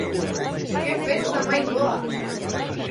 Que festa máis boa.